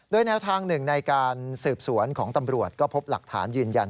โดยแนวทางหนึ่งในการสืบสวนของตำรวจก็พบหลักฐานยืนยัน